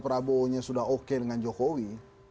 prabowo sandi sudah oke dengan jokowi